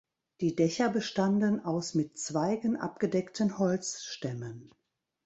Die Dächer bestanden aus mit Zweigen abgedeckten Holzstämmen.